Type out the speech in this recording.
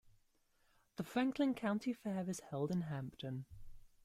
The Franklin Country Fair is held in Hampton.